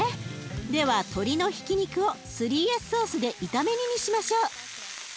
では鶏のひき肉を３Ｓソースで炒め煮にしましょう。